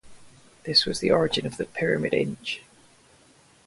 This was the origin of the "pyramid inch".